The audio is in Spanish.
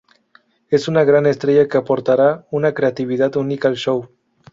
Es una gran estrella que aportará una creatividad única al show.